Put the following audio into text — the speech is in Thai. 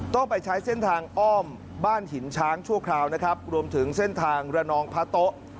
ต้องไปใช้เส้นทางอ้อมบ้านหินช้างชั่วคราวนะครับรวมถึงเส้นทางระนองพระโต๊ะ